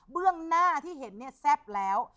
เรื่องหน้าที่เห็นเนี่ยแซ่บแล้ว